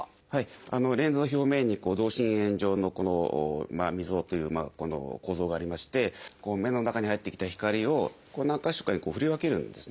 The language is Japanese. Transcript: レンズの表面に同心円状のこの溝構造がありまして目の中に入ってきた光を何か所かに振り分けるんですね。